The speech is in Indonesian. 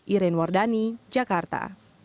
iren wardani jakarta